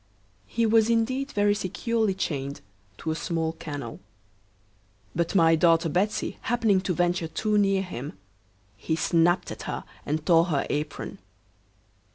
He was indeed very securely chained to a small kennel; but my daughter Betsey happening to venture too near him, he snapped at her and tore her apron.